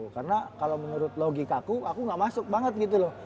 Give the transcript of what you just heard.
karena kalo menurut logikaku aku gak masuk banget gitu loh